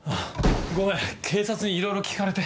ごめん警察にいろいろ聞かれて。